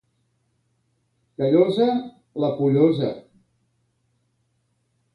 Callosa, la pollosa.